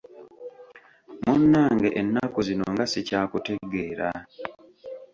Munnange ennaku zino nga sikyakutegeera!